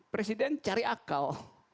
presiden cari akal